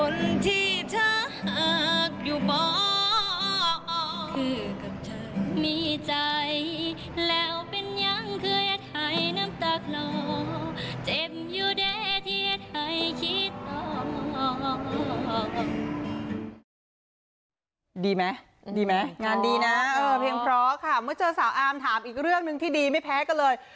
ดีไหมดีไหมงานดีนะเพลงเพราะค่ะเมื่อเจอสาวอาร์มถามอีกเรื่องหนึ่งที่ดีไม่แพ้กันเลย